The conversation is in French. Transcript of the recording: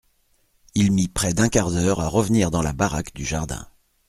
Il mit près d'un quart d'heure à revenir dans la baraque du jardin.